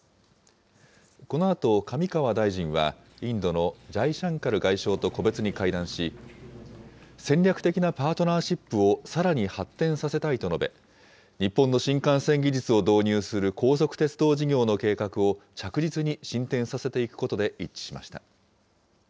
このあと上川大臣は、インドのジャイシャンカル外相と個別に会談し、戦略的なパートナーシップをさらに発展させたいと述べ、日本の新幹線技術を導入する高速鉄道事業の計画を着実に進展させていくことで一致しました。